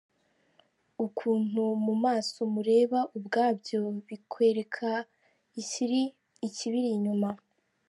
Ukuntu mu maso mureba ubwabyo bikwereka ikibiri inyuma.